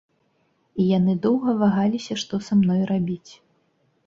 І яны доўга вагаліся, што са мной рабіць.